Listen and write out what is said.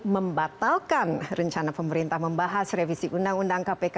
membatalkan rencana pemerintah membahas revisi undang undang kpk